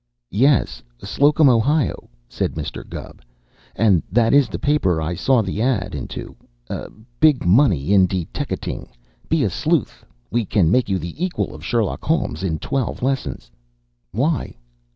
"Yes, Slocum, Ohio," said Mr. Gubb, "and that is the paper I saw the ad. into; 'Big Money in Deteckating. Be a Sleuth. We can make you the equal of Sherlock Holmes in twelve lessons.' Why?"